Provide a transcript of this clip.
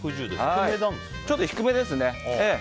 ちょっと低めですね。